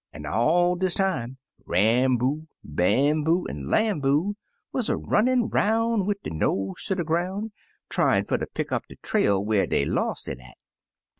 An' all dis time, Ramboo, Bamboo, an' Lamboo wuz a runnin' 'roim' 'wid der nose ter de groun' tryin' fer ter pick up de trail where dey los' it at.